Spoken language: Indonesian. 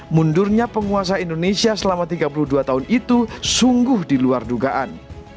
mundurnya penguasa indonesia selama tiga puluh dua tahun itu sungguh diluar dugaan